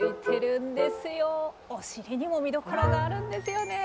お尻にも見どころがあるんですよね。